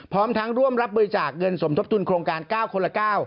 พร้อมทั้งร่วมรับบริจาคเงินสมทบทุนโครงการ๙คนละ๙